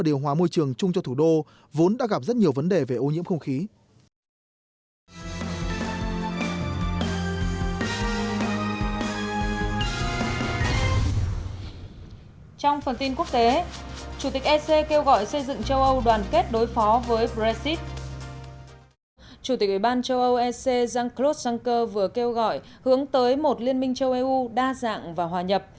chủ tịch ủy ban châu âu ec jean claude juncker vừa kêu gọi hướng tới một liên minh châu eu đa dạng và hòa nhập